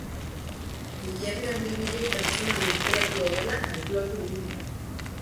Hilerrian bi milioi pertsona lurperatu daudela kalkulatu egin da.